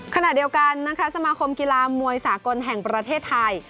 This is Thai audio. ขณะเดียวกันนะคะสมาคมกีฬามวยสากลแห่งประเทศไทย